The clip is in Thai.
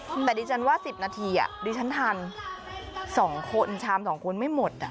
แต่ดิฉันว่า๑๐นาทีดิฉันทาน๒คนชาม๒คนไม่หมด